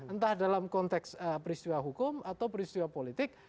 entah dalam konteks peristiwa hukum atau peristiwa politik